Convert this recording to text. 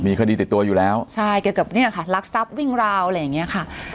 มีคดีติดตัวอยู่แล้วใช่เกี่ยวกับเนี่ยค่ะรักทรัพย์วิ่งราวอะไรอย่างเงี้ยค่ะ